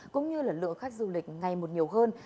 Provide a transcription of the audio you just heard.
cũng như lượng khách du lịch ngày một nhiều hơn